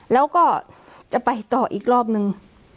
แล้วก็จะไปต่ออีกรอบนึง